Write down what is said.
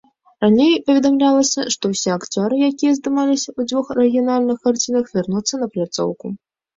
Раней паведамлялася, што ўсе акцёры, якія здымаліся ў дзвюх арыгінальных карцінах, вярнуцца на пляцоўку.